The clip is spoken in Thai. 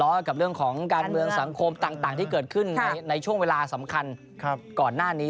กับเรื่องของการเมืองสังคมต่างที่เกิดขึ้นในช่วงเวลาสำคัญก่อนหน้านี้